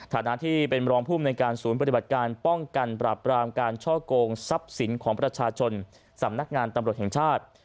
ฐานะที่เป็นรองภูมิในการศูนย์ปฏิบัติการป้องกันปราบรามการช่อกงทรัพย์สินของประชาชนสำนักงานตำรวจแห่งชาติ